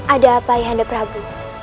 ada apa ayahanda prabu